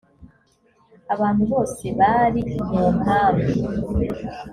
abantu bose bari mu nkambi